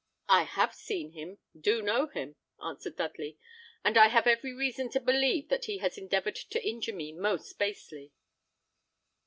"I have seen him, do know him," answered Dudley; "and I have every reason to believe that he has endeavoured to injure me most basely."